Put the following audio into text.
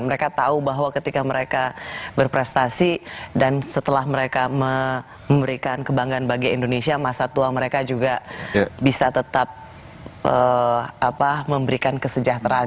mereka tahu bahwa ketika mereka berprestasi dan setelah mereka memberikan kebanggaan bagi indonesia masa tua mereka juga bisa tetap memberikan kesejahteraan